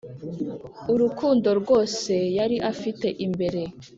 urukundo rwose yari afite imbere.